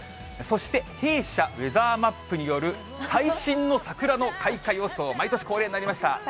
そして弊社、ウェザーマップによる最新の桜の開花予想、毎年恒例になりました。